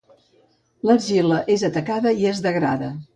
L'argila és atacada i es degrada.